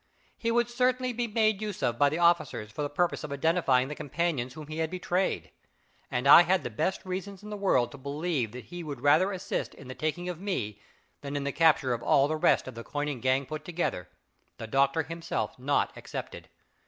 He would certainly be made use of by the officers for the purpose of identifying the companions whom he had betrayed; and I had the best reasons in the world to believe that he would rather assist in the taking of me than in the capture of all the rest of the coining gang put together the doctor himself not excepted.